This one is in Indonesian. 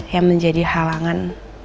ya menjadi halangan